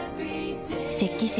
「雪肌精」